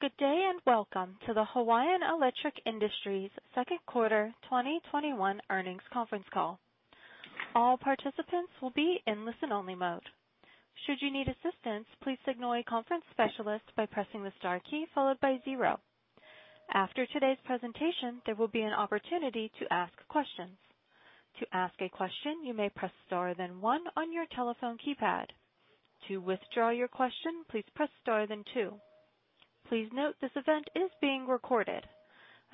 Good day, and welcome to the Hawaiian Electric Industries Q2 2021 earnings conference call. I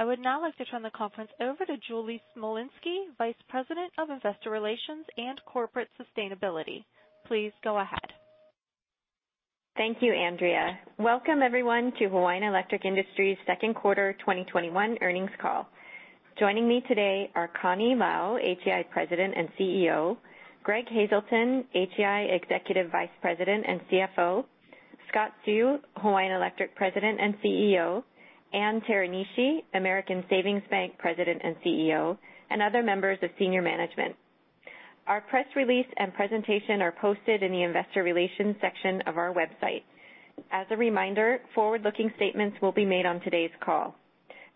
would now like to turn the conference over to Julie Smolinski, Vice President of Investor Relations and Corporate Sustainability. Please go ahead. Thank you, Andrea. Welcome everyone to Hawaiian Electric Industries' second quarter 2021 earnings call. Joining me today are Connie Lau, HEI President and CEO; Greg Hazelton, HEI Executive Vice President and CFO; Scott Seu, Hawaiian Electric President and CEO; Ann Teranishi, American Savings Bank President and CEO; and other members of senior management. Our press release and presentation are posted in the investor relations section of our website. As a reminder, forward-looking statements will be made on today's call.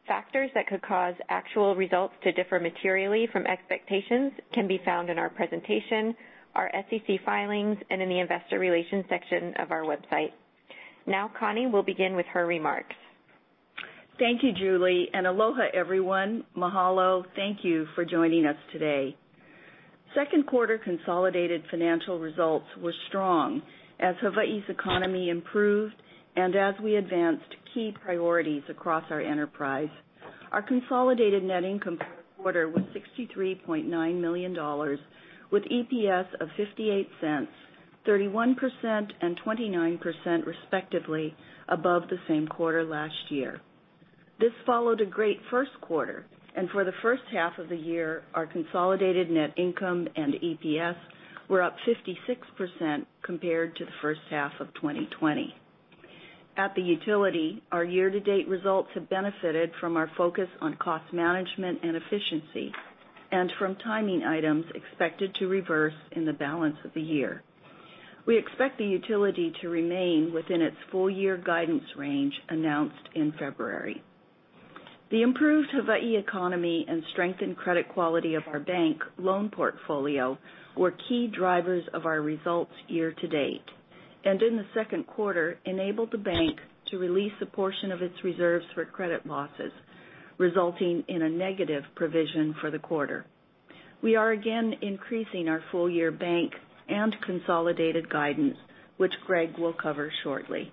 Factors that could cause actual results to differ materially from expectations can be found in our presentation, our SEC filings, and in the investor relations section of our website. Now, Connie will begin with her remarks. Thank you, Julie, and aloha, everyone. Mahalo. Thank you for joining us today. Second quarter consolidated financial results were strong as Hawaii's economy improved and as we advanced key priorities across our enterprise. Our consolidated net income for the quarter was $63.9 million with EPS of $0.58, 31% and 29% respectively above the same quarter last year. This followed a great first quarter. For the first half of the year, our consolidated net income and EPS were up 56% compared to the first half of 2020. At the utility, our year-to-date results have benefited from our focus on cost management and efficiency and from timing items expected to reverse in the balance of the year. We expect the utility to remain within its full year guidance range announced in February. The improved Hawaii economy and strengthened credit quality of our bank loan portfolio were key drivers of our results year-to-date, and in the second quarter, enabled the bank to release a portion of its reserves for credit losses, resulting in a negative provision for the quarter. We are again increasing our full year bank and consolidated guidance, which Greg will cover shortly.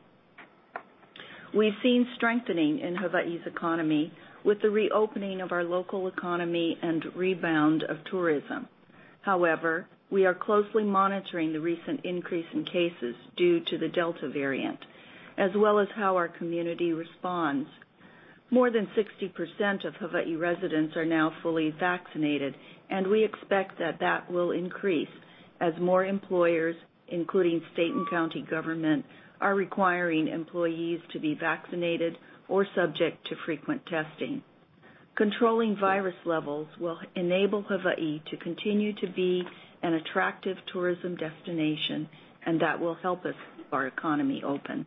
We've seen strengthening in Hawaii's economy with the reopening of our local economy and rebound of tourism. However, we are closely monitoring the recent increase in cases due to the Delta variant, as well as how our community responds. More than 60% of Hawaii residents are now fully vaccinated, we expect that that will increase as more employers, including state and county government, are requiring employees to be vaccinated or subject to frequent testing. Controlling virus levels will enable Hawaii to continue to be an attractive tourism destination, and that will help us keep our economy open.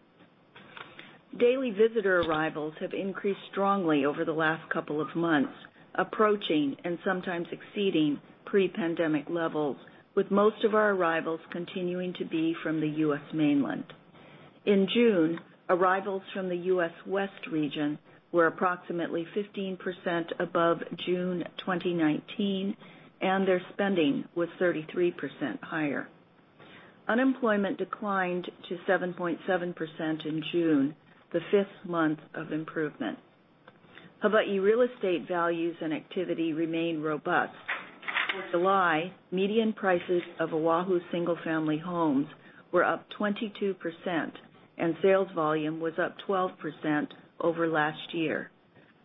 Daily visitor arrivals have increased strongly over the last couple of months, approaching and sometimes exceeding pre-pandemic levels, with most of our arrivals continuing to be from the U.S. mainland. In June, arrivals from the U.S. West region were approximately 15% above June 2019, and their spending was 33% higher. Unemployment declined to 7.7% in June, the fifth month of improvement. Hawaii real estate values and activity remain robust. For July, median prices of Oahu single-family homes were up 22%, and sales volume was up 12% over last year.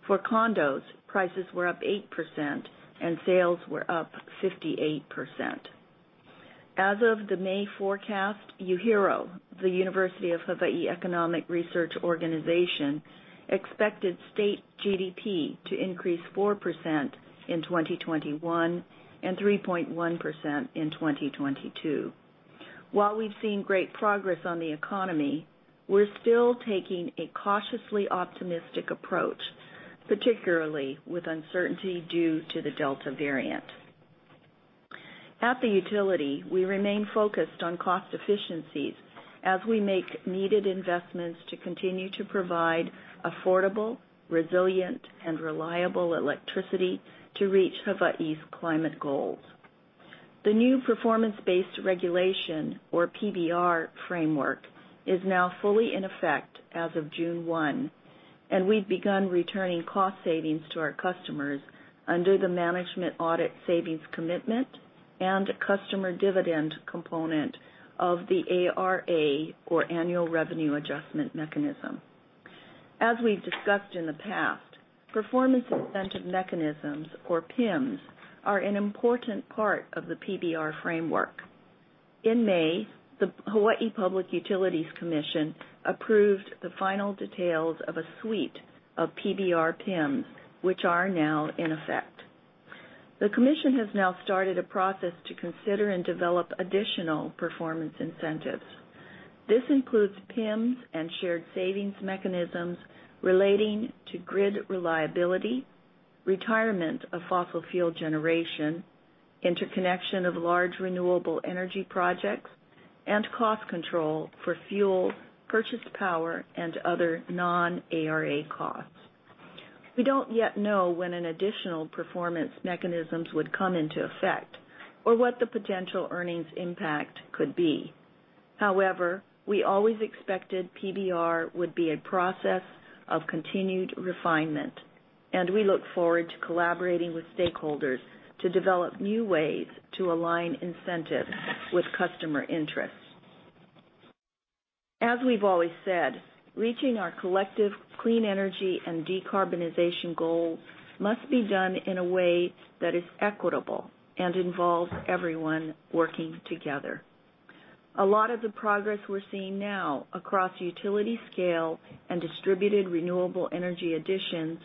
For condos, prices were up 8%, and sales were up 58%. As of the May forecast, UHERO, the University of Hawaii Economic Research Organization, expected state GDP to increase 4% in 2021 and 3.1% in 2022. While we've seen great progress on the economy, we're still taking a cautiously optimistic approach, particularly with uncertainty due to the Delta variant. At the utility, we remain focused on cost efficiencies as we make needed investments to continue to provide affordable, resilient, and reliable electricity to reach Hawaii's climate goals. The new performance-based regulation, or PBR framework, is now fully in effect as of June 1, and we've begun returning cost savings to our customers under the management audit savings commitment and customer dividend component of the ARA or annual revenue adjustment mechanism. As we've discussed in the past, performance incentive mechanisms, or PIMs, are an important part of the PBR framework. In May, the Hawaii Public Utilities Commission approved the final details of a suite of PBR PIMs, which are now in effect. The commission has now started a process to consider and develop additional performance incentives. This includes PIMs and shared savings mechanisms relating to grid reliability, retirement of fossil fuel generation, interconnection of large renewable energy projects, and cost control for fuel, purchased power, and other non-ARA costs. We don't yet know when an additional performance mechanisms would come into effect, or what the potential earnings impact could be. However, we always expected PBR would be a process of continued refinement, and we look forward to collaborating with stakeholders to develop new ways to align incentives with customer interests. As we've always said, reaching our collective clean energy and decarbonization goals must be done in a way that is equitable and involves everyone working together. A lot of the progress we're seeing now across utility scale and distributed renewable energy additions,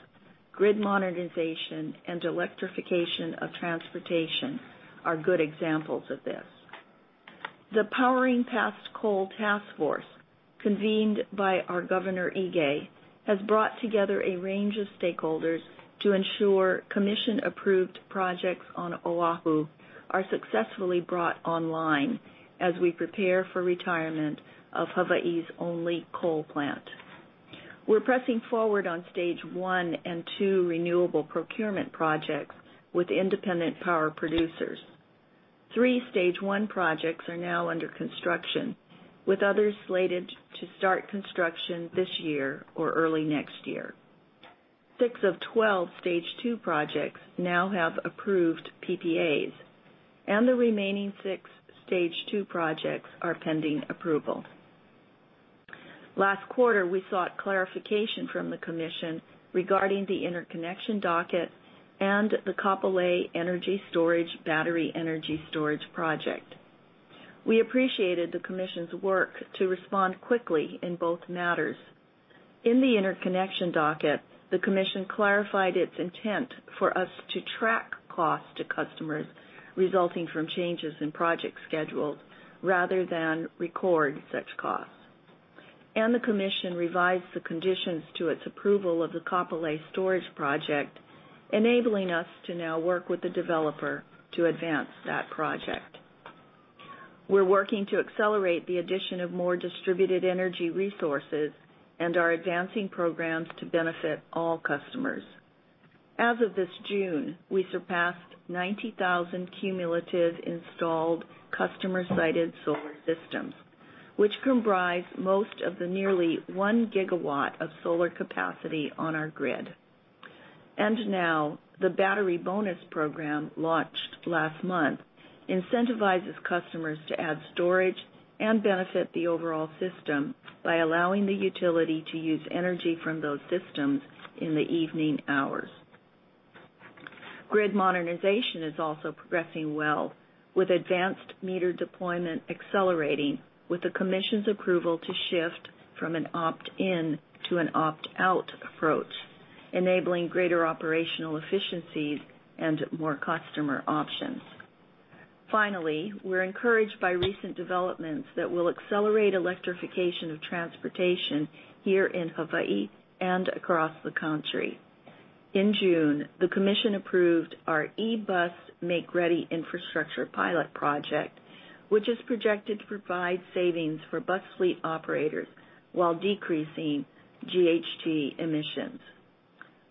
grid modernization, and electrification of transportation are good examples of this. The Powering Past Coal task force, convened by our Governor Ige, has brought together a range of stakeholders to ensure Commission-approved projects on Oahu are successfully brought online as we prepare for retirement of Hawaii's only coal plant. We're pressing forward on stage 1 and 2 renewable procurement projects with independent power producers. Three stage 1 projects are now under construction, with others slated to start construction this year or early next year. six of 12 stage two projects now have approved PPAs, and the remaining six stage 2 projects are pending approval. Last quarter, we sought clarification from the Commission regarding the interconnection docket and the Kapolei energy storage battery energy storage project. We appreciated the Commission's work to respond quickly in both matters. In the interconnection docket, the commission clarified its intent for us to track costs to customers resulting from changes in project schedules rather than record such costs. The commission revised the conditions to its approval of the Kapolei Storage Project, enabling us to now work with the developer to advance that project. We're working to accelerate the addition of more distributed energy resources and are advancing programs to benefit all customers. As of this June, we surpassed 90,000 cumulative installed customer-sited solar systems, which comprise most of the nearly 1 GW of solar capacity on our grid. Now, the Battery Bonus Program launched last month incentivizes customers to add storage and benefit the overall system by allowing the utility to use energy from those systems in the evening hours. Grid modernization is also progressing well, with advanced meter deployment accelerating with the Commission's approval to shift from an opt-in to an opt-out approach, enabling greater operational efficiencies and more customer options. Finally, we're encouraged by recent developments that will accelerate electrification of transportation here in Hawaii and across the country. In June, the Commission approved our eBus Make-Ready Infrastructure pilot project, which is projected to provide savings for bus fleet operators while decreasing GHG emissions.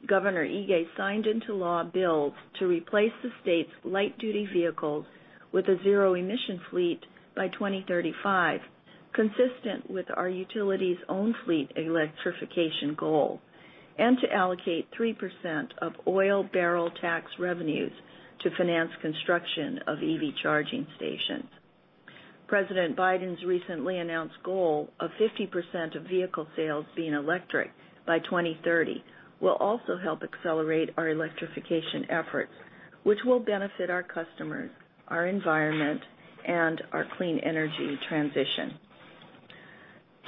Governor Ige signed into law bills to replace the state's light-duty vehicles with a zero-emission fleet by 2035, consistent with our utility's own fleet electrification goal, and to allocate 3% of oil barrel tax revenues to finance construction of EV charging stations. President Biden's recently announced goal of 50% of vehicle sales being electric by 2030 will also help accelerate our electrification efforts, which will benefit our customers, our environment, and our clean energy transition.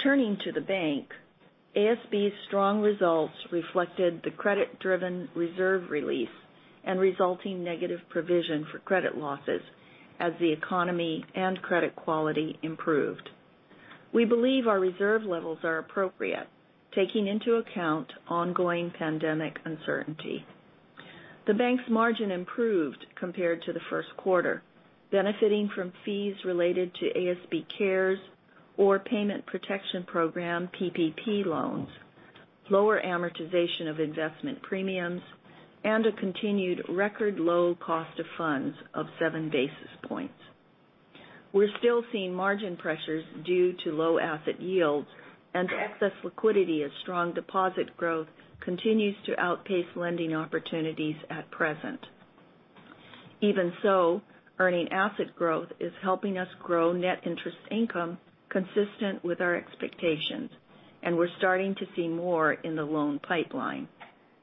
Turning to the bank, ASB's strong results reflected the credit-driven reserve release and resulting negative provision for credit losses as the economy and credit quality improved. We believe our reserve levels are appropriate, taking into account ongoing pandemic uncertainty. The bank's margin improved compared to the first quarter, benefiting from fees related to ASB CARES or Payment Protection Program, PPP, loans, lower amortization of investment premiums, and a continued record low cost of funds of 7 basis points. We're still seeing margin pressures due to low asset yields and excess liquidity as strong deposit growth continues to outpace lending opportunities at present. Even so, earning asset growth is helping us grow net interest income consistent with our expectations, and we're starting to see more in the loan pipeline,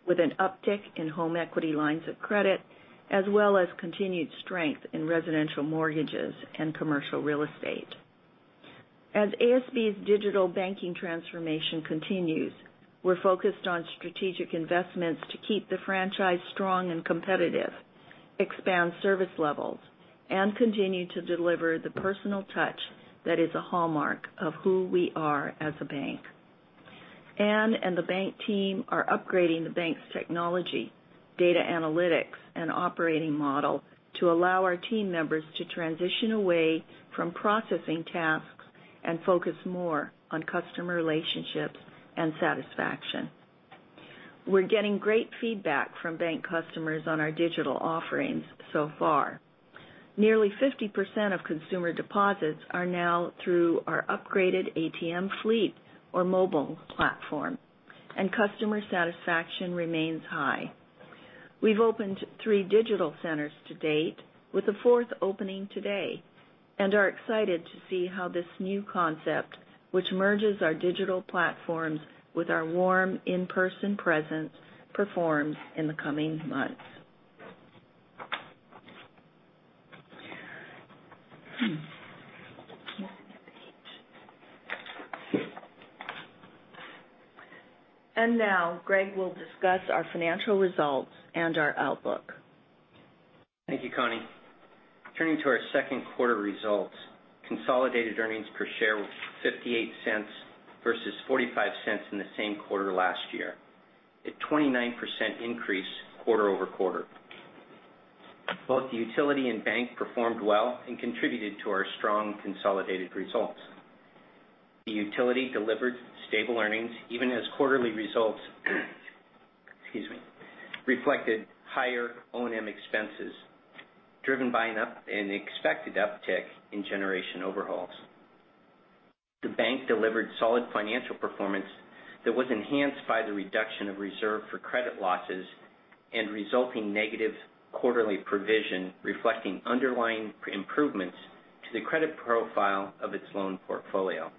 with an uptick in home equity lines of credit, as well as continued strength in residential mortgages and commercial real estate. As ASB's digital banking transformation continues, we're focused on strategic investments to keep the franchise strong and competitive, expand service levels, and continue to deliver the personal touch that is a hallmark of who we are as a bank. Ann and the bank team are upgrading the bank's technology, data analytics, and operating model to allow our team members to transition away from processing tasks and focus more on customer relationships and satisfaction. We're getting great feedback from bank customers on our digital offerings so far. Nearly 50% of consumer deposits are now through our upgraded ATM fleet or mobile platform, and customer satisfaction remains high. We've opened three digital centers to date, with a fourth opening today, and are excited to see how this new concept, which merges our digital platforms with our warm in-person presence, performs in the coming months. Now Greg will discuss our financial results and our outlook. Thank you, Connie. Turning to our second quarter results, consolidated earnings per share were $0.58 versus $0.45 in the same quarter last year, a 29% increase quarter-over-quarter. Both the utility and bank performed well and contributed to our strong consolidated results. The utility delivered stable earnings even as quarterly results, excuse me, reflected higher O&M expenses driven by an expected uptick in generation overhauls. The bank delivered solid financial performance that was enhanced by the reduction of reserve for credit losses and resulting negative quarterly provision, reflecting underlying improvements to the credit profile of its loan portfolio.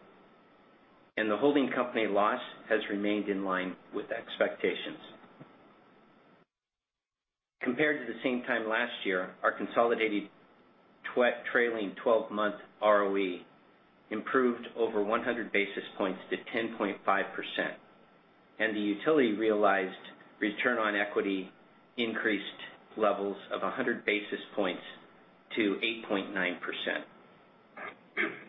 The holding company loss has remained in line with expectations. Compared to the same time last year, our consolidated trailing 12 month ROE improved over 100 basis points to 10.5%, and the utility realized return on equity increased levels of 100 basis points to 8.9%.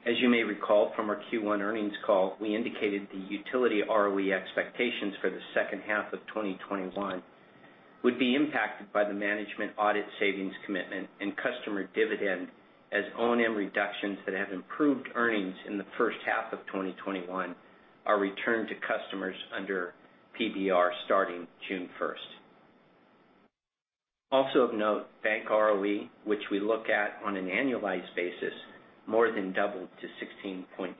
As you may recall from our Q1 earnings call, we indicated the utility ROE expectations for the second half of 2021 would be impacted by the management audit savings commitment and customer dividend as O&M reductions that have improved earnings in the first half of 2021 are returned to customers under PBR starting June 1st. Also of note, bank ROE, which we look at on an annualized basis, more than doubled to 16.8%.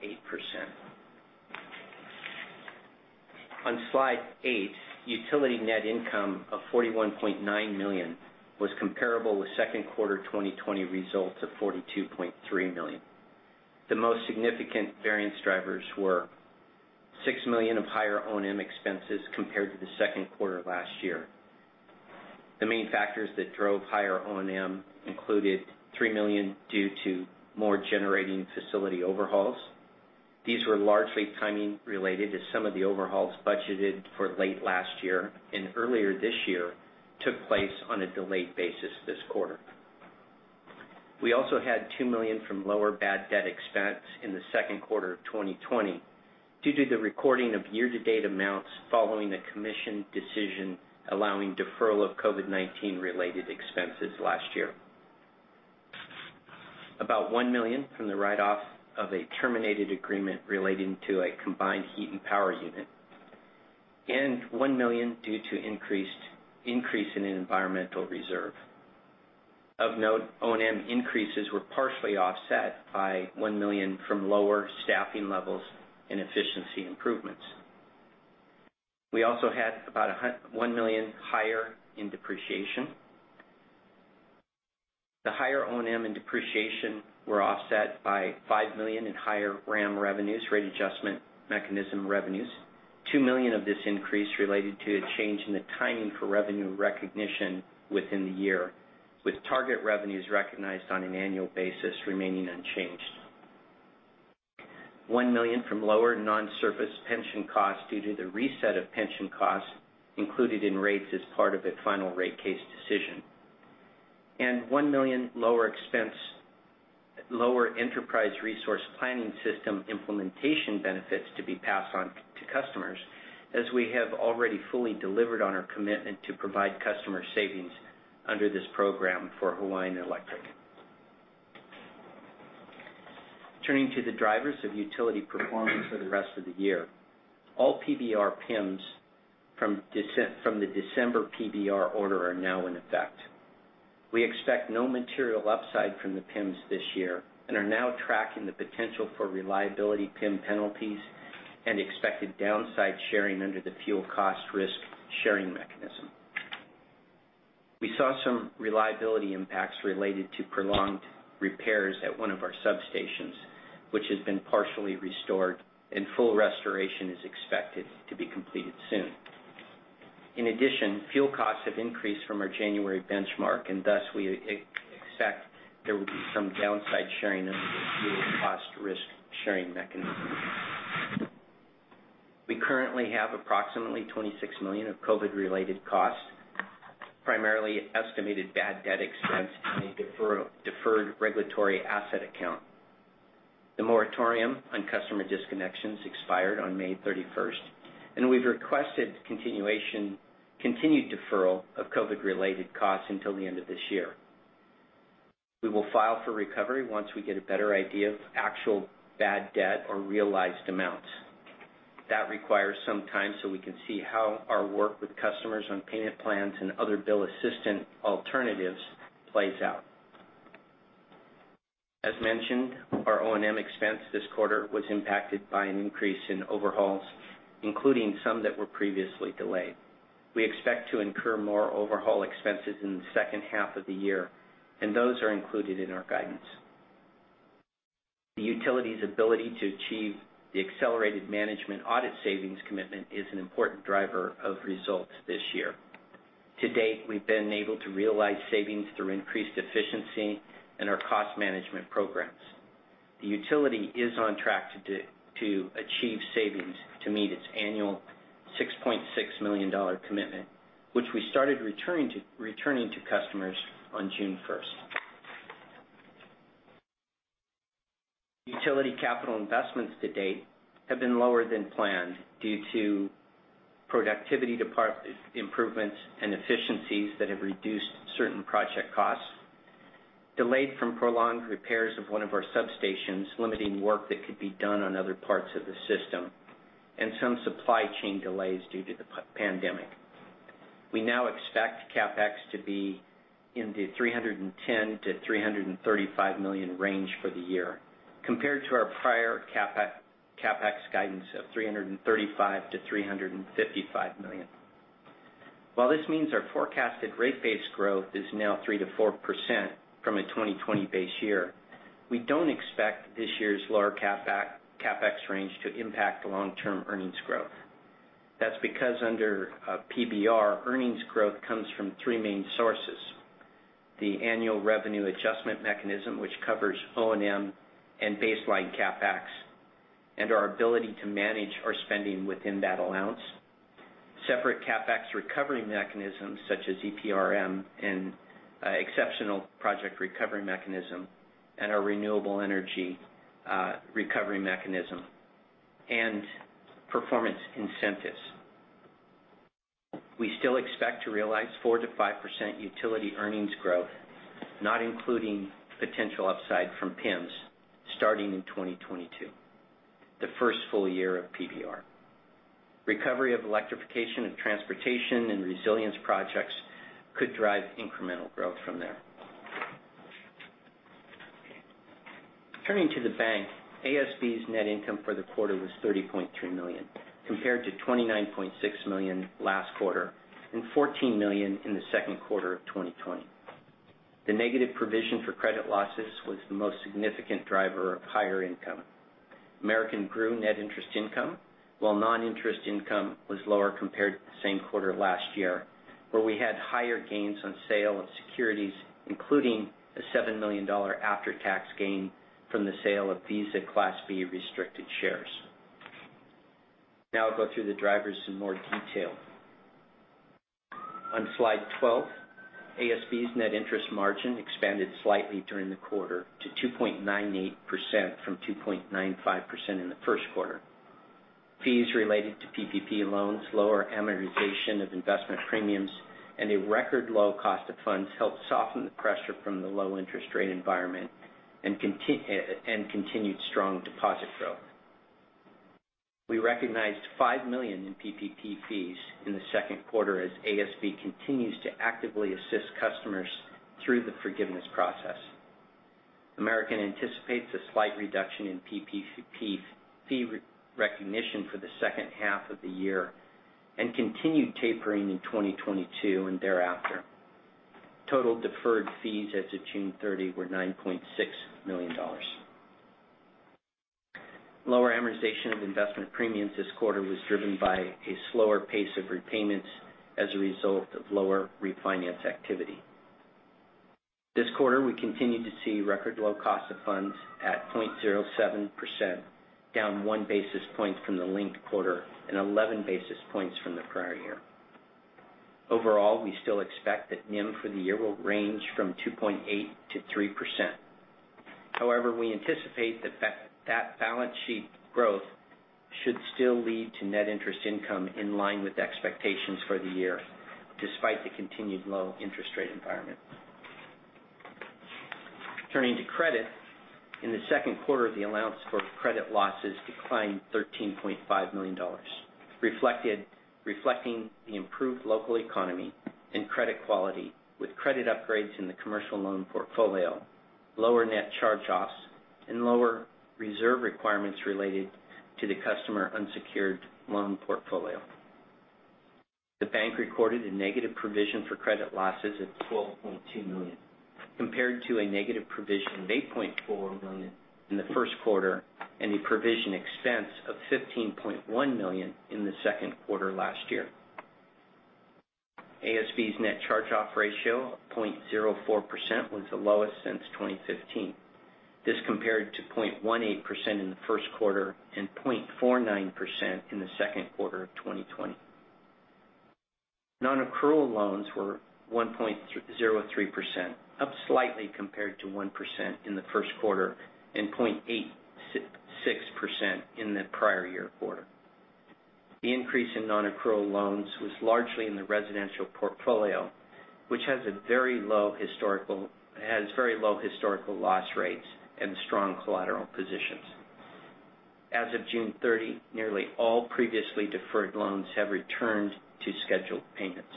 On slide eight, utility net income of $41.9 million was comparable with second quarter 2020 results of $42.3 million. The most significant variance drivers were $6 million of higher O&M expenses compared to the second quarter of last year. The main factors that drove higher O&M included $3 million due to more generating facility overhauls. These were largely timing related, as some of the overhauls budgeted for late last year and earlier this year took place on a delayed basis this quarter. We also had $2 million from lower bad debt expense in Q2 2020 due to the recording of year-to-date amounts following a commission decision allowing deferral of COVID-19 related expenses last year. About $1 million from the write-off of a terminated agreement relating to a combined heat and power unit, and $1 million due to increase in an environmental reserve. Of note, O&M increases were partially offset by $1 million from lower staffing levels and efficiency improvements. We also had about $1 million higher in depreciation. The higher O&M and depreciation were offset by $5 million in higher RAM revenues, Rate Adjustment Mechanism revenues. $2 million of this increase related to a change in the timing for revenue recognition within the year, with target revenues recognized on an annual basis remaining unchanged. $1 million from lower non-service pension costs due to the reset of pension costs included in rates as part of a final rate case decision, and $1 million lower enterprise resource planning system implementation benefits to be passed on to customers, as we have already fully delivered on our commitment to provide customer savings under this program for Hawaiian Electric. Turning to the drivers of utility performance for the rest of the year. All PBR PIMs from the December PBR order are now in effect. We expect no material upside from the PIMs this year and are now tracking the potential for reliability PIM penalties and expected downside sharing under the fuel cost risk sharing mechanism. We saw some reliability impacts related to prolonged repairs at one of our substations, which has been partially restored, and full restoration is expected to be completed soon. In addition, fuel costs have increased from our January benchmark, and thus we expect there will be some downside sharing under the fuel cost risk sharing mechanism. We currently have approximately $26 million of COVID-19 related costs, primarily estimated bad debt expense in a deferred regulatory asset account. The moratorium on customer disconnections expired on May 31st, and we've requested continued deferral of COVID-19 related costs until the end of this year. We will file for recovery once we get a better idea of actual bad debt or realized amounts. That requires some time so we can see how our work with customers on payment plans and other bill assistant alternatives plays out. As mentioned, our O&M expense this quarter was impacted by an increase in overhauls, including some that were previously delayed. We expect to incur more overhaul expenses in the second half of the year, and those are included in our guidance. The utility's ability to achieve the accelerated management audit savings commitment is an important driver of results this year. To date, we've been able to realize savings through increased efficiency and our cost management programs. The utility is on track to achieve savings to meet its annual $6.6 million commitment, which we started returning to customers on June 1st. Utility capital investments to date have been lower than planned due to productivity improvements and efficiencies that have reduced certain project costs, delayed from prolonged repairs of one of our substations, limiting work that could be done on other parts of the system, and some supply chain delays due to the pandemic. We now expect CapEx to be in the $310 million-$335 million range for the year compared to our prior CapEx guidance of $335 million-$355 million. While this means our forecasted rate base growth is now 3%-4% from a 2020 base year, we don't expect this year's lower CapEx range to impact long-term earnings growth. That's because under PBR, earnings growth comes from three main sources. The annual revenue adjustment mechanism, which covers O&M and baseline CapEx, and our ability to manage our spending within that allowance. Separate CapEx recovery mechanisms such as EPRM and Exceptional Project Recovery Mechanism, and our renewable energy recovery mechanism, and performance incentives. We still expect to realize 4%-5% utility earnings growth, not including potential upside from PIMs starting in 2022, the first full year of PBR. Recovery of electrification of transportation and resilience projects could drive incremental growth from there. Turning to the bank, ASB's net income for the quarter was $30.3 million, compared to $29.6 million last quarter and $14 million in the second quarter of 2020. The negative provision for credit losses was the most significant driver of higher income. American grew net interest income, while non-interest income was lower compared to the same quarter last year, where we had higher gains on sale of securities, including a $7 million after-tax gain from the sale of Visa Class B restricted shares. Now I'll go through the drivers in more detail. On slide 12, ASB's net interest margin expanded slightly during the quarter to 2.98% from 2.95% in the first quarter. Fees related to PPP loans, lower amortization of investment premiums, and a record low cost of funds helped soften the pressure from the low interest rate environment and continued strong deposit growth. We recognized $5 million in PPP fees in the second quarter as ASB continues to actively assist customers through the forgiveness process. American anticipates a slight reduction in PPP fee recognition for the second half of the year and continued tapering in 2022 and thereafter. Total deferred fees as of June 30 were $9.6 million. Lower amortization of investment premiums this quarter was driven by a slower pace of repayments as a result of lower refinance activity. This quarter, we continued to see record low cost of funds at 0.07%, down 1 basis point from the linked quarter and 11 basis points from the prior year. Overall, we still expect that NIM for the year will range from 2.8%-3%. We anticipate that balance sheet growth should still lead to net interest income in line with expectations for the year, despite the continued low interest rate environment. Turning to credit. In the second quarter, the allowance for credit losses declined $13.5 million. Reflecting the improved local economy and credit quality with credit upgrades in the commercial loan portfolio, lower net charge-offs, and lower reserve requirements related to the customer unsecured loan portfolio. The bank recorded a negative provision for credit losses of $12.2 million. Compared to a negative provision of $8.4 million in the first quarter and a provision expense of $15.1 million in the second quarter last year. ASB's net charge-off ratio of 0.04% was the lowest since 2015. This compared to 0.18% in the first quarter and 0.49% in the second quarter of 2020. Non-accrual loans were 1.03%, up slightly compared to 1% in the first quarter and 0.86% in the prior year quarter. The increase in non-accrual loans was largely in the residential portfolio, which has very low historical loss rates and strong collateral positions. As of June 30, nearly all previously deferred loans have returned to scheduled payments.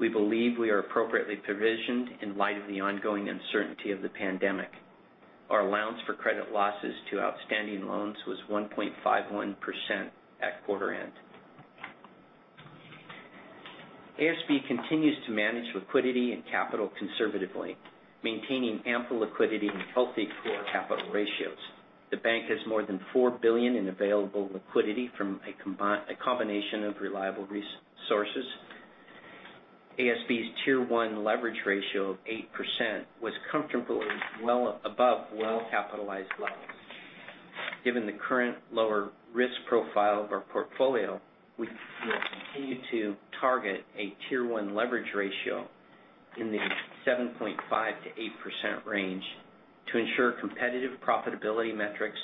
We believe we are appropriately provisioned in light of the ongoing uncertainty of the pandemic. Our allowance for credit losses to outstanding loans was 1.51% at quarter end. ASB continues to manage liquidity and capital conservatively, maintaining ample liquidity and healthy core capital ratios. The bank has more than $4 billion in available liquidity from a combination of reliable resources. ASB's Tier 1 leverage ratio of 8% was comfortably above well-capitalized levels. Given the current lower risk profile of our portfolio, we will continue to target a Tier 1 leverage ratio in the 7.5%-8% range to ensure competitive profitability metrics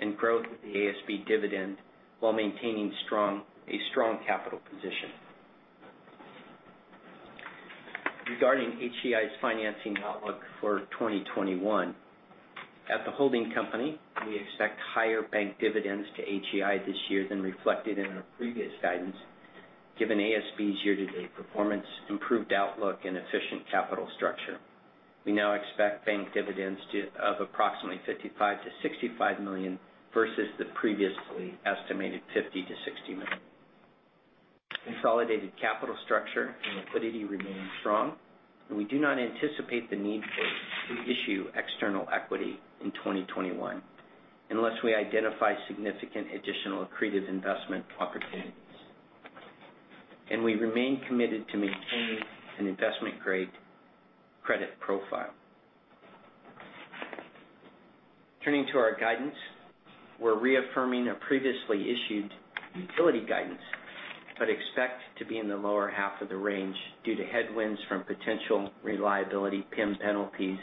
and growth of the ASB dividend while maintaining a strong capital position. Regarding HEI's financing outlook for 2021. At the holding company, we expect higher bank dividends to HEI this year than reflected in our previous guidance, given ASB's year-to-date performance, improved outlook, and efficient capital structure. We now expect bank dividends of approximately $55 million-$65 million versus the previously estimated $50 million-$60 million. Consolidated capital structure and liquidity remain strong. We do not anticipate the need to issue external equity in 2021 unless we identify significant additional accretive investment opportunities. We remain committed to maintaining an investment-grade credit profile. Turning to our guidance. We're reaffirming our previously issued utility guidance, but expect to be in the lower half of the range due to headwinds from potential reliability PIM penalties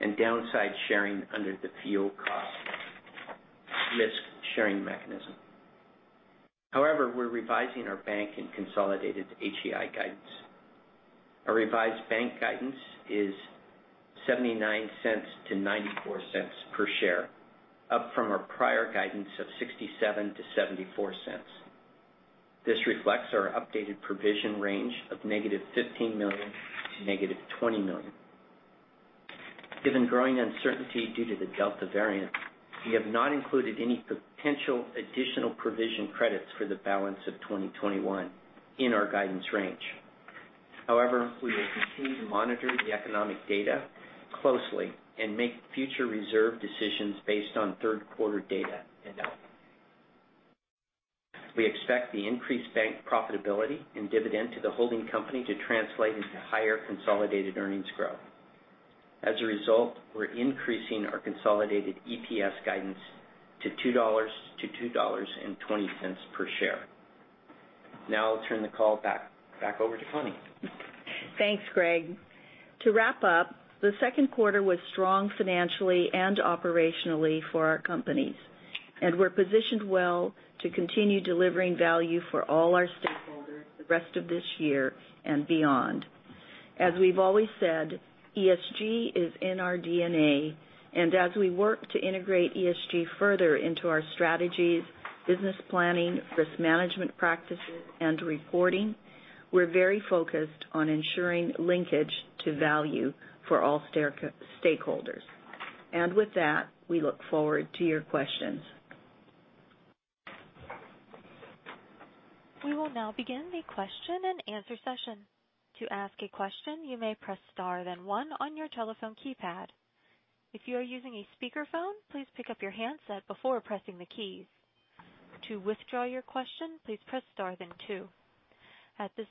and downside sharing under the fuel cost risk-sharing mechanism. However, we're revising our bank and consolidated HEI guidance. Our revised bank guidance is $0.79-$0.94 per share, up from our prior guidance of $0.67-$0.74. This reflects our updated provision range of -$15 million to -$20 million. Given growing uncertainty due to the Delta variant, we have not included any potential additional provision credits for the balance of 2021 in our guidance range. However, we will continue to monitor the economic data closely and make future reserve decisions based on third quarter data and outlook. We expect the increased bank profitability and dividend to the holding company to translate into higher consolidated earnings growth. As a result, we're increasing our consolidated EPS guidance to $2-$2.20 per share. Now I'll turn the call back over to Connie. Thanks, Greg. To wrap up, the second quarter was strong financially and operationally for our companies. We're positioned well to continue delivering value for all our stakeholders the rest of this year and beyond. As we've always said, ESG is in our DNA, and as we work to integrate ESG further into our strategies, business planning, risk management practices, and reporting, we're very focused on ensuring linkage to value for all stakeholders. With that, we look forward to your questions. We will now begin the question and answer session. At this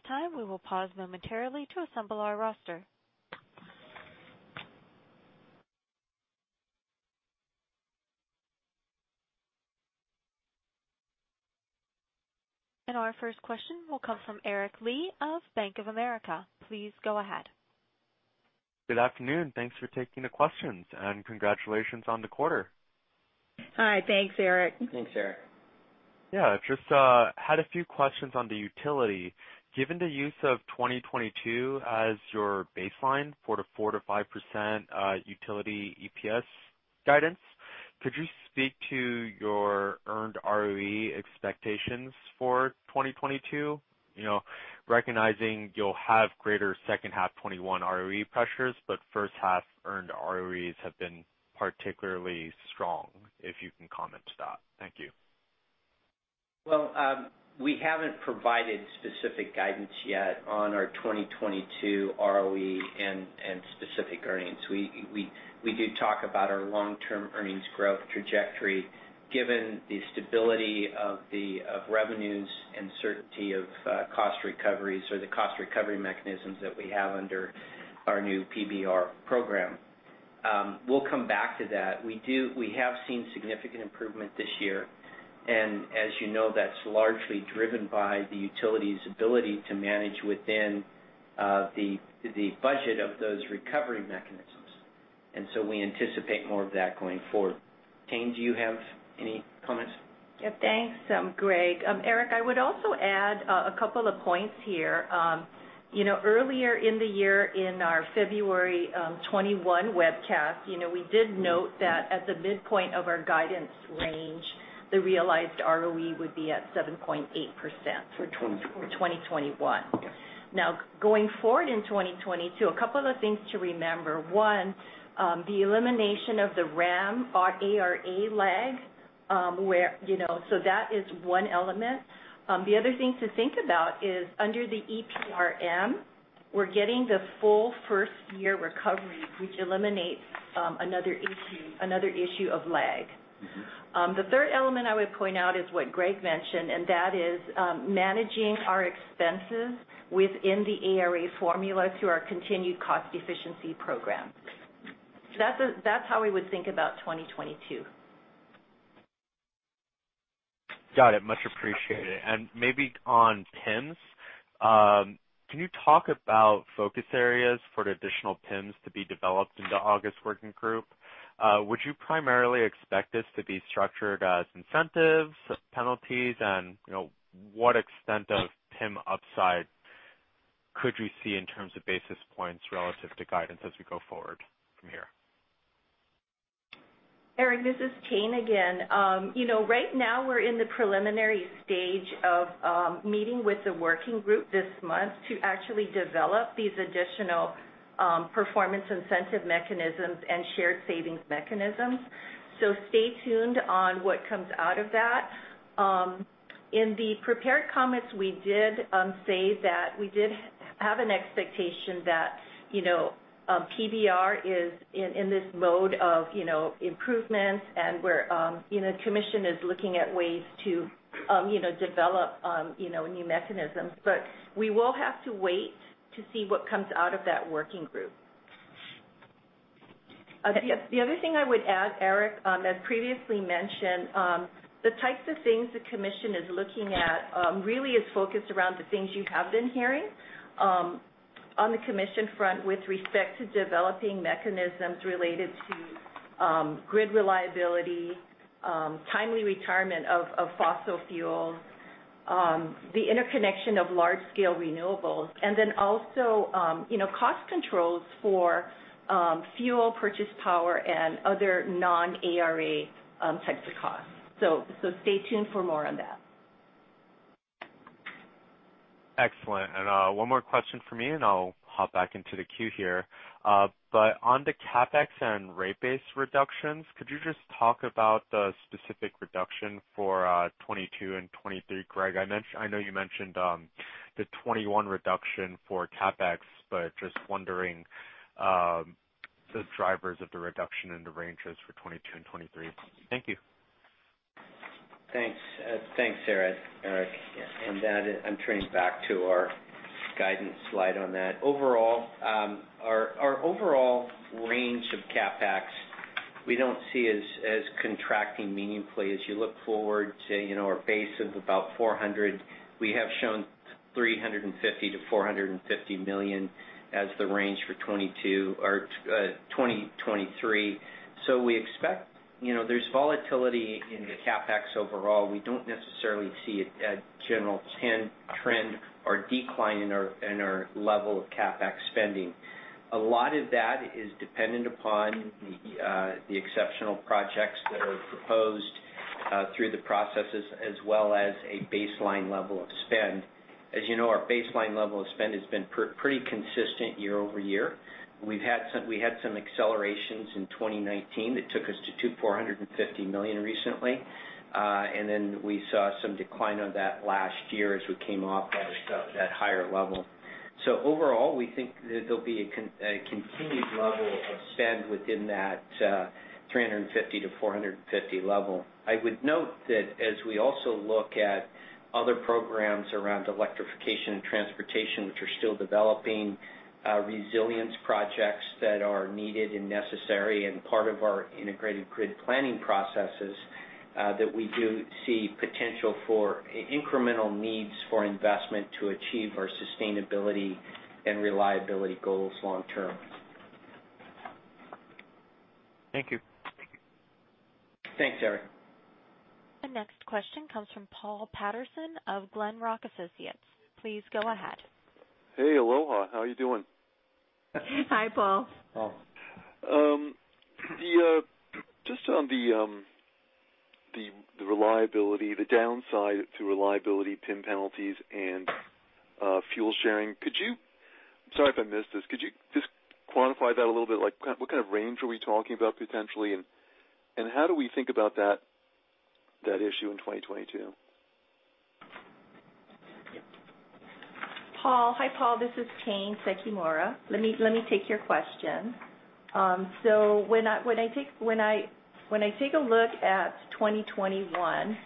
time, we will pause momentarily to assemble our roster. Our first question will come from Eric Lee of Bank of America. Please go ahead. Good afternoon. Thanks for taking the questions. Congratulations on the quarter. Hi. Thanks, Eric. Thanks, Eric. Yeah. Just had a few questions on the utility. Given the use of 2022 as your baseline for the 4%-5% utility EPS guidance, could you speak to your earned ROE expectations for 2022? Recognizing you'll have greater second half 2021 ROE pressures, but first half earned ROEs have been particularly strong, if you can comment to that. Thank you. Well, we haven't provided specific guidance yet on our 2022 ROE and specific earnings. We do talk about our long-term earnings growth trajectory, given the stability of revenues and certainty of cost recoveries or the cost recovery mechanisms that we have under our new PBR program. We'll come back to that. We have seen significant improvement this year, as you know, that's largely driven by the utility's ability to manage within the budget of those recovery mechanisms. We anticipate more of that going forward. Tayne, do you have any comments? Yeah. Thanks, Greg. Eric, I would also add a couple of points here. Earlier in the year, in our February 2021 webcast, we did note that at the midpoint of our guidance range, the realized ROE would be at 7.8% for 2021. Yes. Going forward in 2022, a couple of things to remember. One, the elimination of the RAM, our ARA lag. That is one element. The other thing to think about is under the EPRM, we're getting the full first-year recovery, which eliminates another issue of lag. The third element I would point out is what Greg mentioned, and that is managing our expenses within the ARA formula through our continued cost efficiency program. That's how we would think about 2022. Got it. Much appreciated. Maybe on PIMs, can you talk about focus areas for the additional PIMs to be developed in the August working group? Would you primarily expect this to be structured as incentives, penalties, and what extent of PIM upside could we see in terms of basis points relative to guidance as we go forward from here? Eric, this is Tayne again. Now we're in the preliminary stage of meeting with the working group this month to actually develop these additional Performance Incentive Mechanisms and shared savings mechanisms. Stay tuned on what comes out of that. In the prepared comments, we did say that we did have an expectation that PBR is in this mode of improvements and where Commission is looking at ways to develop new mechanisms. We will have to wait to see what comes out of that working group. The other thing I would add, Eric, as previously mentioned, the types of things the commission is looking at really is focused around the things you have been hearing on the commission front with respect to developing mechanisms related to grid reliability, timely retirement of fossil fuels, the interconnection of large-scale renewables, and then also cost controls for fuel purchase power and other non-ARA types of costs. Stay tuned for more on that. Excellent. One more question from me, and I will hop back into the queue here. On the CapEx and rate base reductions, could you just talk about the specific reduction for 2022 and 2023? Greg, I know you mentioned the 2021 reduction for CapEx, but just wondering the drivers of the reduction in the ranges for 2022 and 2023. Thank you. Thanks. Thanks, Eric. I'm turning back to our guidance slide on that. Our overall range of CapEx we don't see as contracting meaningfully as you look forward to our base of about $400 million. We have shown $350 million-$450 million as the range for 2022 or 2023. We expect there's volatility in the CapEx overall. We don't necessarily see a general trend or decline in our level of CapEx spending. A lot of that is dependent upon the exceptional projects that are proposed through the processes as well as a baseline level of spend. As you know, our baseline level of spend has been pretty consistent year-over-year. We had some accelerations in 2019 that took us to $450 million recently. We saw some decline of that last year as we came off that higher level. Overall, we think that there'll be a continued level of spend within that $350 million-$450 million level. I would note that as we also look at other programs around electrification and transportation, which are still developing resilience projects that are needed and necessary and part of our integrated grid planning processes, that we do see potential for incremental needs for investment to achieve our sustainability and reliability goals long term. Thank you. Thanks, Eric. The next question comes from Paul Patterson of Glenrock Associates. Please go ahead. Hey, aloha. How are you doing? Hi, Paul. Paul. On the reliability, the downside to reliability PIM penalties and fuel sharing, could you just quantify that a little bit? What kind of range are we talking about potentially, and how do we think about that issue in 2022? Paul. Hi, Paul. This is Tayne Sekimura. Let me take your question. When I take a look at 2021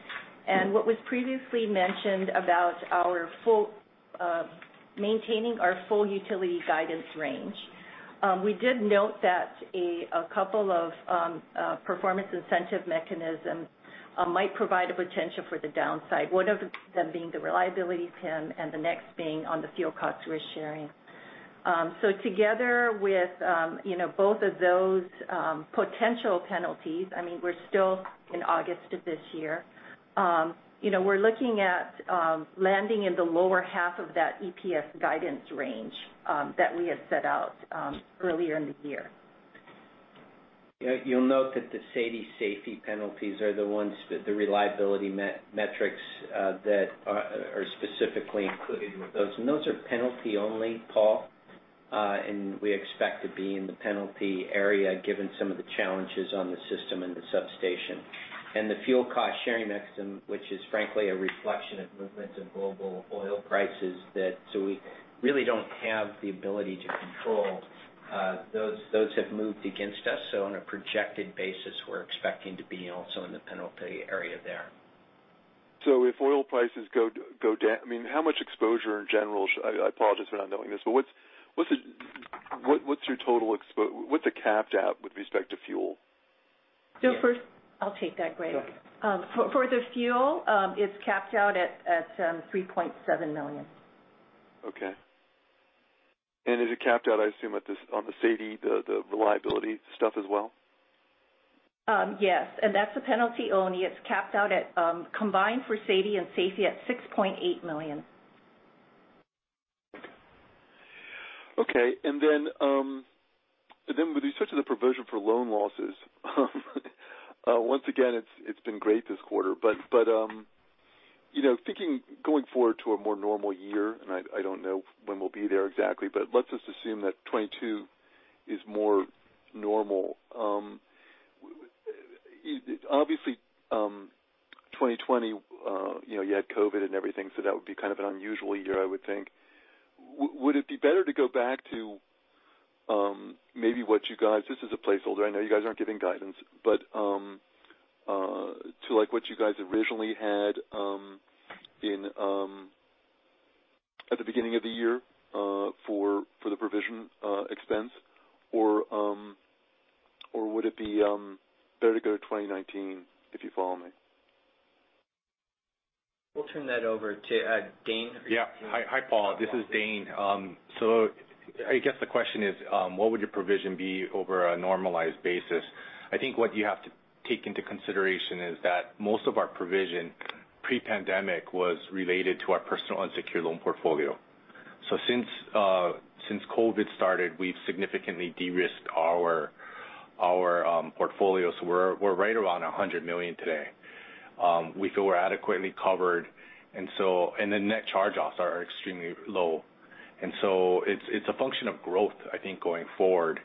and what was previously mentioned about maintaining our full utility guidance range, we did note that a couple of performance incentive mechanisms might provide a potential for the downside. One of them being the reliability PIM and the next being on the fuel cost risk sharing. Together with both of those potential penalties, we're still in August of this year. We're looking at landing in the lower half of that EPS guidance range that we had set out earlier in the year. You'll note that the SAIDI safety penalties are the ones, the reliability metrics that are specifically included with those, and those are penalty only, Paul. We expect to be in the penalty area, given some of the challenges on the system and the substation. The fuel cost sharing mechanism, which is frankly a reflection of movements in global oil prices that we really don't have the ability to control. Those have moved against us. On a projected basis, we're expecting to be also in the penalty area there. If oil prices go down, I apologize for not knowing this, but what's your total exposure? What's it capped at with respect to fuel? First, I'll take that, Greg. Okay. For the fuel, it's capped out at $3.7 million. Okay. Is it capped out, I assume, on the reliability stuff as well? Yes. That's a penalty only. It's capped out at combined for SAIDI and SAIFI at $6.8 million. Okay. With respect to the provision for loan losses, once again, it's been great this quarter. Thinking going forward to a more normal year, I don't know when we'll be there exactly, but let's just assume that 2022 is more normal. 2020, you had COVID and everything, so that would be kind of an unusual year, I would think. Would it be better to go back to maybe what you guys, this is a placeholder, I know you guys aren't giving guidance, but to what you guys originally had at the beginning of the year for the provision expense, or would it be better to go to 2019, if you follow me? We'll turn that over to Dane. Yeah. Hi, Paul. This is Dane. I guess the question is, what would your provision be over a normalized basis? I think what you have to take into consideration is that most of our provision pre-pandemic was related to our personal unsecured loan portfolio. Since COVID started, we've significantly de-risked our portfolio. We're right around $100 million today. We feel we're adequately covered, and the net charge-offs are extremely low. It's a function of growth, I think, going forward.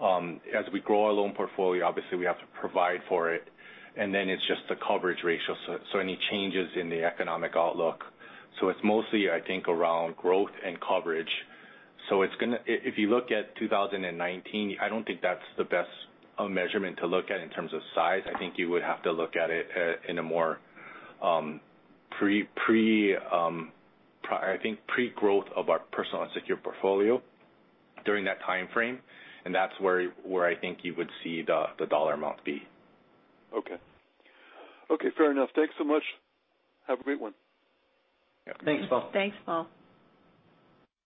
As we grow our loan portfolio, obviously we have to provide for it, and then it's just the coverage ratio. Any changes in the economic outlook. It's mostly, I think, around growth and coverage. If you look at 2019, I don't think that's the best measurement to look at in terms of size. I think you would have to look at it in a more pre-growth of our personal unsecured portfolio during that timeframe, and that's where I think you would see the dollar amount be. Okay. Fair enough. Thanks so much. Have a great one. Yeah. Thanks, Paul. Thanks, Paul.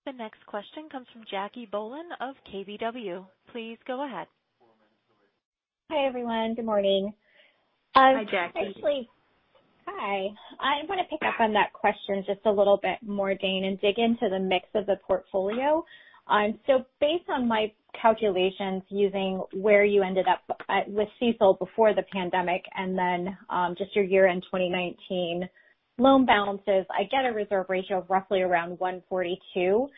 The next question comes from Jackie Bohlen of KBW. Please go ahead. Hi, everyone. Good morning. Hi, Jackie. Hi. I want to pick up on that question just a little bit more, Dane, and dig into the mix of the portfolio. Based on my calculations using where you ended up with CECL before the pandemic and then just your year-end 2019 loan balances, I get a reserve ratio of roughly around 142.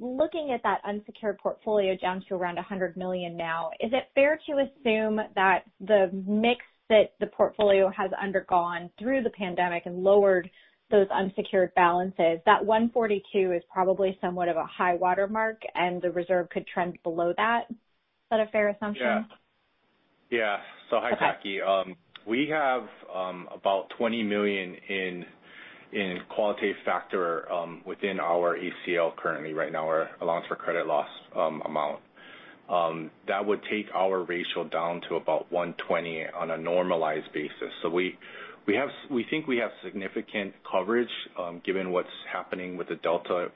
Looking at that unsecured portfolio down to around $100 million now, is it fair to assume that the mix that the portfolio has undergone through the pandemic and lowered those unsecured balances, that 142 is probably somewhat of a high watermark and the reserve could trend below that? Is that a fair assumption? Yeah. Okay. Hi, Jackie. We have about $20 million in qualitative factor within our ACL currently right now, our allowance for credit loss amount. That would take our ratio down to about 120 on a normalized basis. We think we have significant coverage given what's happening with the Delta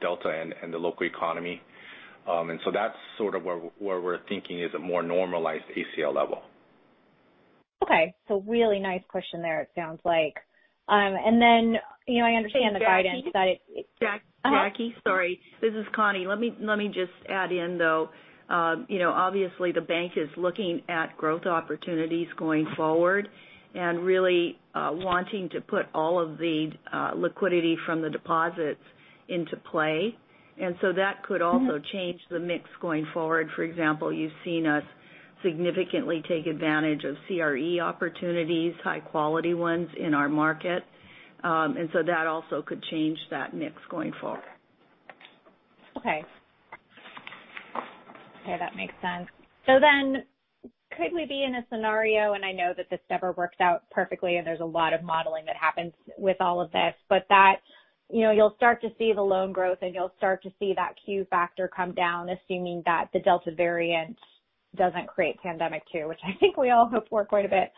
variant and the local economy. That's sort of where we're thinking is a more normalized ACL level. Okay. Really nice question there, it sounds like. I understand the guidance that Jackie? Jackie, sorry. This is Connie. Let me just add in, though. Obviously, the bank is looking at growth opportunities going forward and really wanting to put all of the liquidity from the deposits into play. Change the mix going forward. For example, you've seen us significantly take advantage of CRE opportunities, high-quality ones in our market. That also could change that mix going forward. Okay. Okay, that makes sense. Could we be in a scenario, and I know that this never works out perfectly, and there's a lot of modeling that happens with all of this, but that you'll start to see the loan growth, and you'll start to see that Q factor come down, assuming that the Delta variant doesn't create pandemic two, which I think we all hope for quite a bit.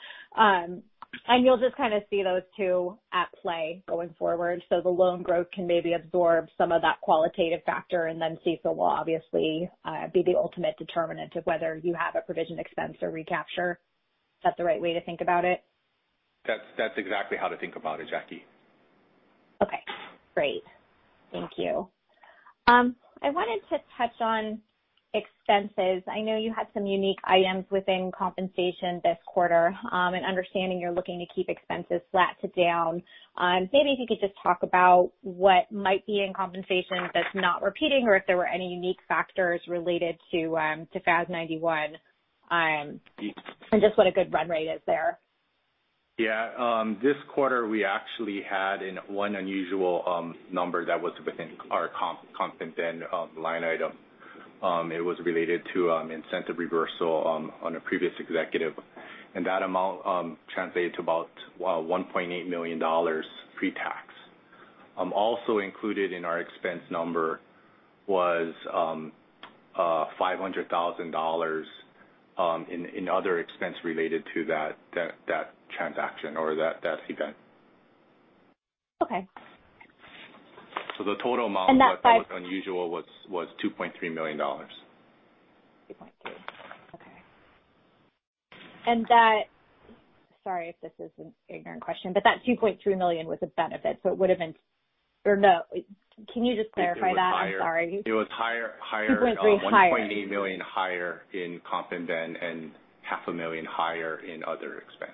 You'll just kind of see those two at play going forward. The loan growth can maybe absorb some of that qualitative factor, and then CECL will obviously be the ultimate determinant of whether you have a provision expense or recapture. Is that the right way to think about it? That's exactly how to think about it, Jackie. Okay, great. Thank you. I wanted to touch on expenses. I know you had some unique items within compensation this quarter, and understanding you're looking to keep expenses flat to down. Maybe if you could just talk about what might be in compensation that's not repeating or if there were any unique factors related to FAS 91, and just what a good run rate is there. Yeah. This quarter, we actually had one unusual number that was within our comp and ben line item. It was related to incentive reversal on a previous executive, and that amount translated to about $1.8 million pre-tax. Also included in our expense number was $500,000 in other expense related to that transaction or that event. Okay. The total amount. And that five. That was unusual was $2.3 million. 2.3. Okay. Sorry if this is an ignorant question, that $2.3 million was a benefit. it would've been Or no. Can you just clarify that? I'm sorry. It was higher. 2.3 higher. $1.8 million higher in comp and ben, and half a million dollars higher in other expense.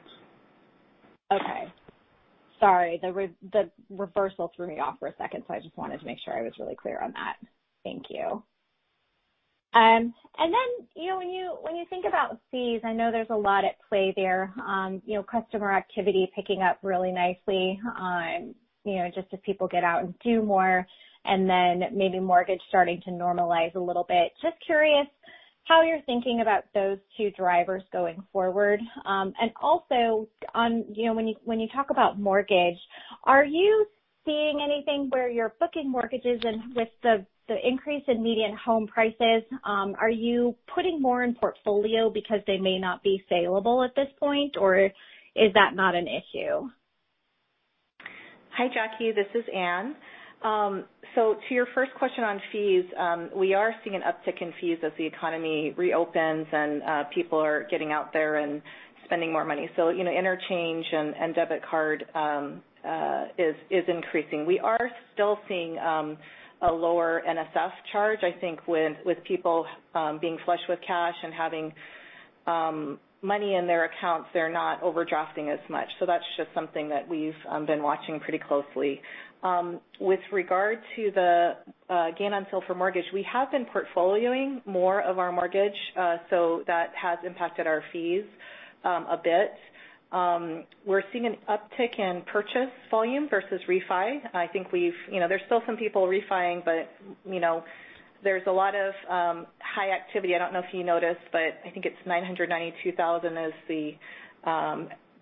Okay. Sorry. The reversal threw me off for a second, so I just wanted to make sure I was really clear on that. Thank you. Then when you think about fees, I know there's a lot at play there. Customer activity picking up really nicely just as people get out and do more, and then maybe mortgage starting to normalize a little bit. Just curious how you're thinking about those two drivers going forward. Also when you talk about mortgage, are you seeing anything where you're booking mortgages and with the increase in median home prices, are you putting more in portfolio because they may not be saleable at this point, or is that not an issue? Hi, Jackie, this is Ann. To your first question on fees, we are seeing an uptick in fees as the economy reopens and people are getting out there and spending more money. Interchange and debit card is increasing. We are still seeing a lower NSF charge. I think with people being flush with cash and having money in their accounts, they're not overdrafting as much. That's just something that we've been watching pretty closely. With regard to the gain on sale for mortgage, we have been portfolioing more of our mortgage, that has impacted our fees a bit. We're seeing an uptick in purchase volume versus refi. There's still some people refi-ing, but there's a lot of high activity. I don't know if you noticed, but I think it's $992,000 is the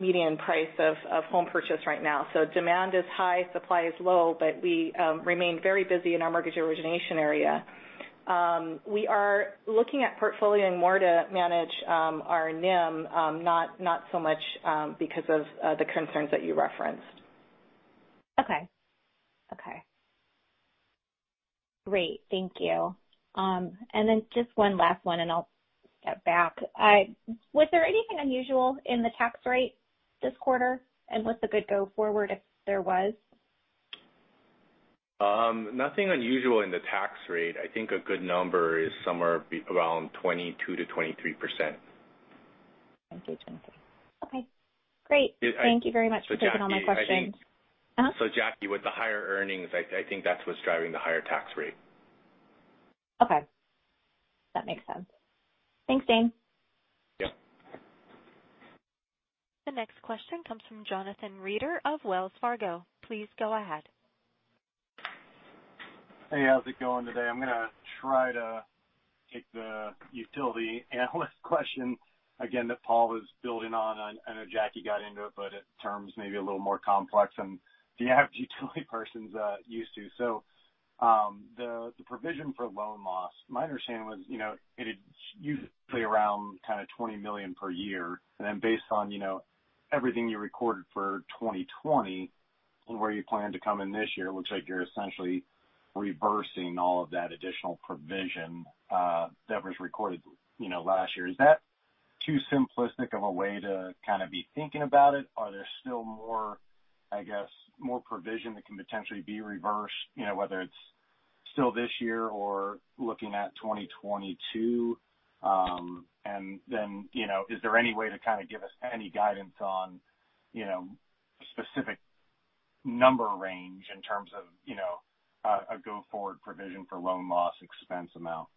median price of home purchase right now. Demand is high, supply is low, but we remain very busy in our mortgage origination area. We are looking at portfolioing more to manage our NIM, not so much because of the concerns that you referenced. Okay. Great. Thank you. Then just one last one, and I'll step back. Was there anything unusual in the tax rate this quarter? What's a good go forward if there was? Nothing unusual in the tax rate. I think a good number is somewhere around 22%-23%. Okay, great. Thank you very much. That's all my questions. Jackie. Jackie, with the higher earnings, I think that's what's driving the higher tax rate. Okay. That makes sense. Thanks, Dane. Yep. The next question comes from Jonathan Reeder of Wells Fargo. Please go ahead. Hey, how's it going today? I'm going to try to take the utility analyst question again that Paul was building on. I know Jackie got into it, but in terms maybe a little more complex than you have utility persons used to. The provision for loan loss, my understanding was it usually around kind of $20 million per year. Based on everything you recorded for 2020 and where you plan to come in this year, it looks like you're essentially reversing all of that additional provision that was recorded last year. Is that too simplistic of a way to be thinking about it? Are there still more provision that can potentially be reversed, whether it's still this year or looking at 2022? Is there any way to give us any guidance on specific number range in terms of a go-forward provision for loan loss expense amount?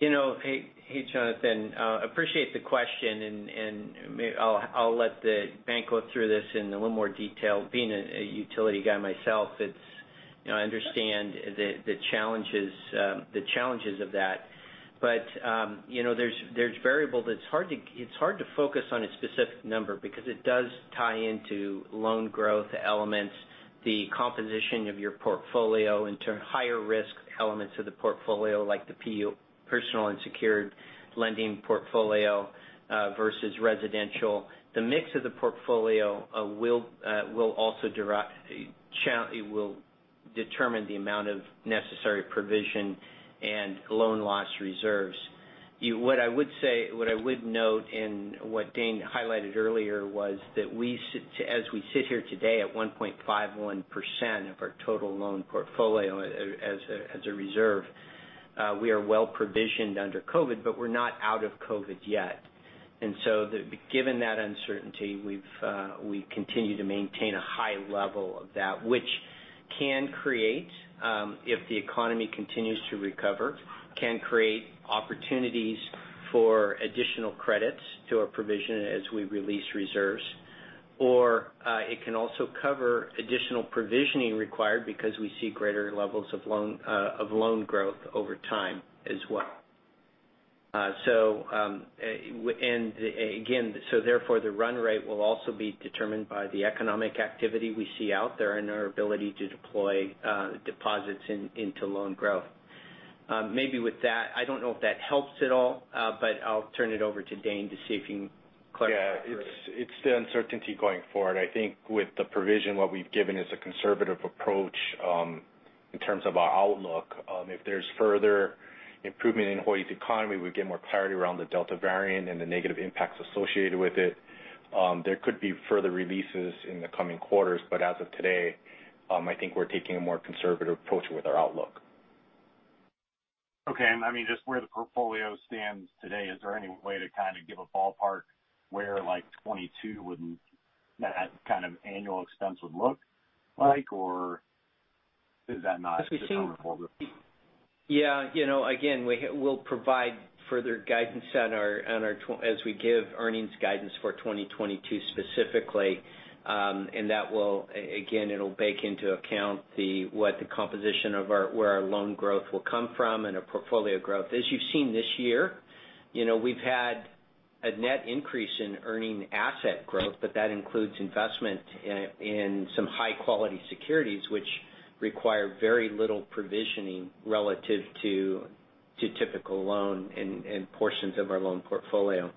Hey, Jonathan. Appreciate the question, and maybe I'll let the bank go through this in a little more detail. Being a utility guy myself, I understand the challenges of that. There's variable that it's hard to focus on a specific number because it does tie into loan growth elements, the composition of your portfolio into higher risk elements of the portfolio, like the PU personal unsecured lending portfolio versus residential. The mix of the portfolio will determine the amount of necessary provision and loan loss reserves. What I would note, and what Dane highlighted earlier, was that as we sit here today at 1.51% of our total loan portfolio as a reserve, we are well-provisioned under COVID, but we're not out of COVID yet. Given that uncertainty, we continue to maintain a high level of that, which can create, if the economy continues to recover, can create opportunities for additional credits to our provision as we release reserves, or it can also cover additional provisioning required because we see greater levels of loan growth over time as well. Therefore, the run rate will also be determined by the economic activity we see out there and our ability to deploy deposits into loan growth. Maybe with that, I don't know if that helps at all, but I'll turn it over to Dane to see if he can clarify further. Yeah. It's the uncertainty going forward. I think with the provision, what we've given is a conservative approach in terms of our outlook. If there's further improvement in Hawaii's economy, we get more clarity around the Delta variant and the negative impacts associated with it, there could be further releases in the coming quarters. As of today, I think we're taking a more conservative approach with our outlook. Okay. Just where the portfolio stands today, is there any way to give a ballpark where 2022 would that kind of annual expense would look like? Is that not the time for? Yeah. Again, we'll provide further guidance as we give earnings guidance for 2022 specifically. That will, again, it'll bake into account what the composition of where our loan growth will come from and our portfolio growth. As you've seen this year, we've had a net increase in earning asset growth, but that includes investment in some high-quality securities which require very little provisioning relative to typical loan and portions of our loan portfolio.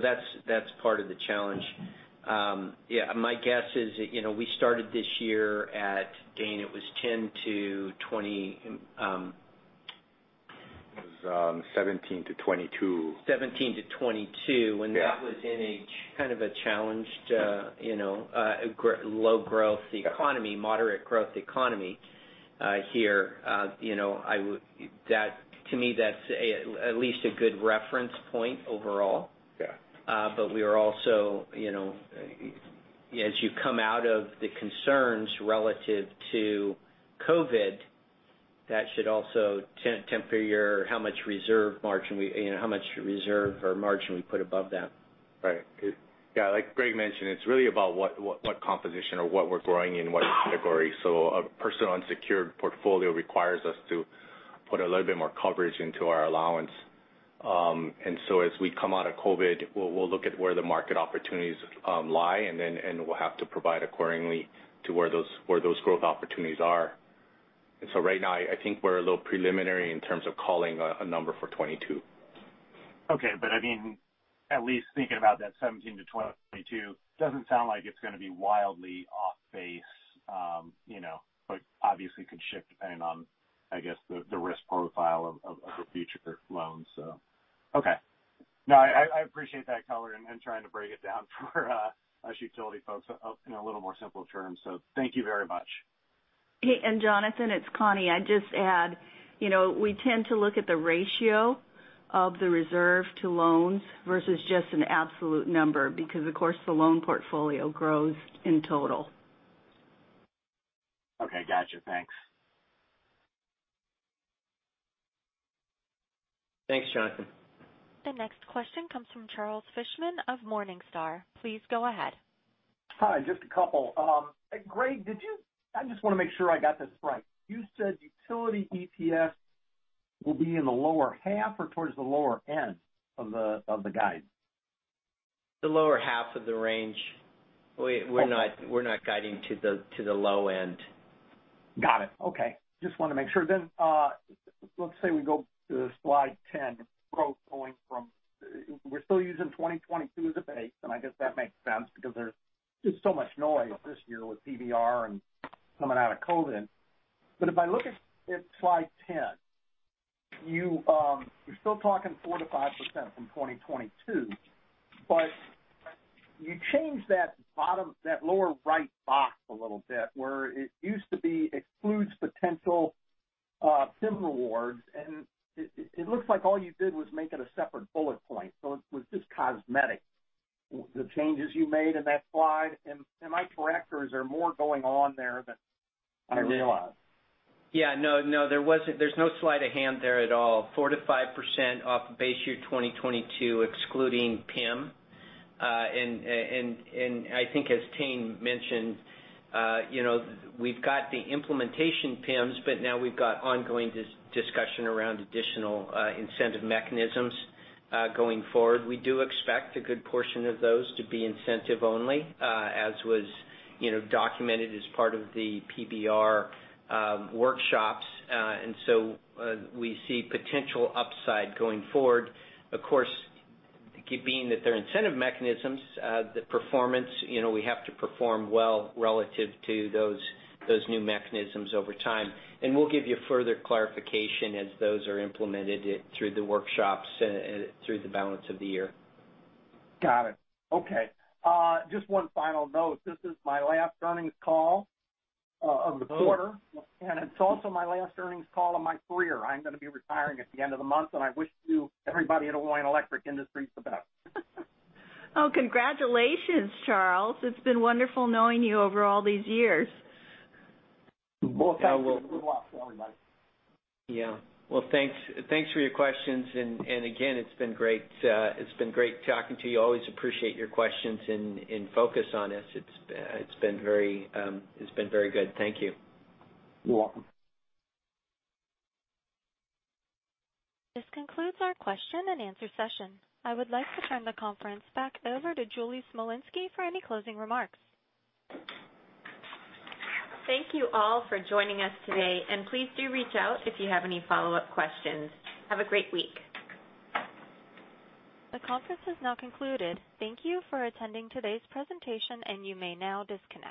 That's part of the challenge. Yeah, my guess is we started this year at, Dane, it was 10-20. It was 17-22. 17-22. Yeah. When that was in a kind of a challenged low growth economy, moderate growth economy here. To me, that's at least a good reference point overall. Yeah. We are also, as you come out of the concerns relative to COVID, that should also temper how much reserve margin we put above that. Right. Yeah, like Greg mentioned, it's really about what composition or what we're growing in what category. A personal unsecured portfolio requires us to put a little bit more coverage into our allowance. As we come out of COVID, we'll look at where the market opportunities lie, and then we'll have to provide accordingly to where those growth opportunities are. Right now, I think we're a little preliminary in terms of calling a number for 2022. Okay. At least thinking about that 17-22 doesn't sound like it's going to be wildly off base. Obviously could shift depending on, I guess, the risk profile of the future loans. Okay. No, I appreciate that color and trying to break it down for us utility folks in a little more simple terms. Thank you very much. Hey, Jonathan, it's Connie. I'd just add, we tend to look at the ratio of the reserve to loans versus just an absolute number because, of course, the loan portfolio grows in total. Okay, got you. Thanks. Thanks, Jonathan. The next question comes from Charles Fishman of Morningstar. Please go ahead. Hi, just a couple. Greg, I just want to make sure I got this right. You said utility EPS will be in the lower half or towards the lower end of the guide? The lower half of the range. We're not guiding to the low end. Got it. Okay. Let's say we go to slide 10, growth going from, we're still using 2022 as a base, and I guess that makes sense because there's just so much noise this year with PBR and coming out of COVID. If I look at slide 10, you're still talking 4%-5% from 2022, but you changed that lower right box a little bit, where it used to be excludes potential PIM rewards, and it looks like all you did was make it a separate bullet point. It was just cosmetic, the changes you made in that slide. Am I correct, or is there more going on there than I realize? Yeah. No, there's no sleight of hand there at all, 4%-5% off base year 2022, excluding PIM. I think as Tayne mentioned, we've got the implementation PIMs, but now we've got ongoing discussion around additional incentive mechanisms going forward. We do expect a good portion of those to be incentive only, as was documented as part of the PBR workshops. We see potential upside going forward. Of course, being that they're incentive mechanisms, we have to perform well relative to those new mechanisms over time. We'll give you further clarification as those are implemented through the workshops through the balance of the year. Got it. Okay. Just one final note. This is my last earnings call of the quarter, and it is also my last earnings call of my career. I am going to be retiring at the end of the month, and I wish everybody at Hawaiian Electric Industries the best. Oh, congratulations, Charles. It's been wonderful knowing you over all these years. Well, thank you, and good luck to everybody. Yeah. Well, thanks for your questions. Again, it's been great talking to you. Always appreciate your questions and focus on us. It's been very good. Thank you. You're welcome. This concludes our question and answer session. I would like to turn the conference back over to Julie Smolinski for any closing remarks. Thank you all for joining us today. Please do reach out if you have any follow-up questions. Have a great week. The conference has now concluded. Thank you for attending today's presentation, and you may now disconnect.